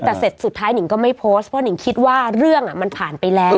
แต่เสร็จสุดท้ายหนิงก็ไม่โพสต์เพราะหนิงคิดว่าเรื่องมันผ่านไปแล้ว